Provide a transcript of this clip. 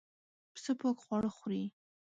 پسه پاک خواړه خوري.